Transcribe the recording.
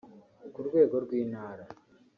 ku rwego rw’Intara